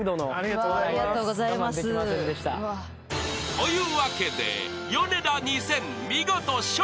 ［というわけでヨネダ２０００見事笑